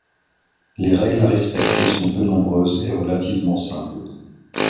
Les règles à respecter sont peu nombreuses et relativement simples.